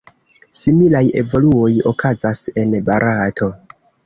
Similaj evoluoj okazas en Barato.